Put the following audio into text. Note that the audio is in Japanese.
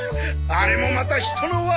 あれもまた人の和！